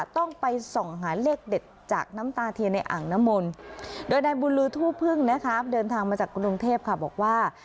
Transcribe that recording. ต้องไปส่องหาเลขเด็ดจากน้ำตาเทียนในอ่างน้ำมนต์โดยนายบุญลือทูพึ่งนะคะเดินทางมาจากกรุงเทพค่ะบอกว่า